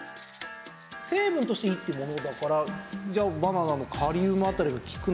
成分としていいってものだからじゃあバナナのカリウムあたりが効くのかなと。